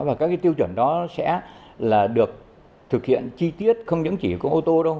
và các tiêu chuẩn đó sẽ được thực hiện chi tiết không chỉ của ô tô đâu